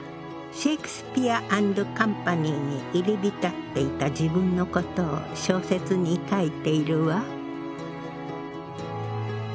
シェイクスピア・アンド・カンパニーに入り浸っていた自分のことを小説に書いているわ。